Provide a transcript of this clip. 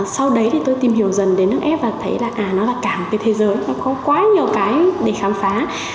sau đấy thì tôi tìm hiểu dần đến nước ép và thấy là nó là cả một cái thế giới nó có quá nhiều cái để khám phá